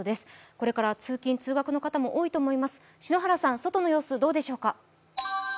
これから通勤・通学の方も多いと思いますが篠原さん、外の様子、どうでしょうか。